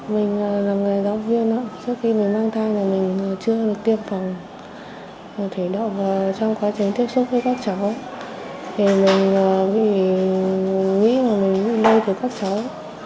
mình là người giáo viên trước khi mình mang thai mình chưa được tiêm phòng thủy đậu và trong quá trình tiếp xúc với các cháu thì mình nghĩ là mình lưu được các cháu